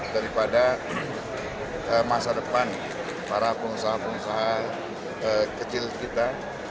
daripada masa depan para pengusaha pengusaha kecil kita